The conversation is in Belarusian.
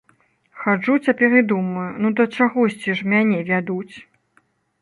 Хаджу цяпер і думаю, ну да чагосьці ж мяне вядуць.